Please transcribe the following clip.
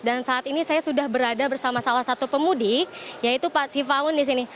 dan saat ini saya sudah berada bersama salah satu pemudik yaitu pak sivaun di sini